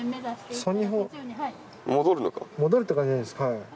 戻るって感じなんですか。